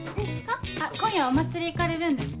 今夜お祭り行かれるんですか？